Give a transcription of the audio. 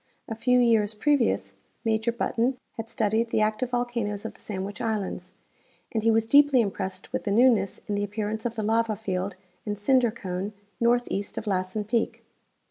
A few years pre vious Major Button had studied the active volcanoes of the Sandwich islands, and he was deeply impressed with the new ness in the appearance of the lava field and cinder cone north east of Lassen peak.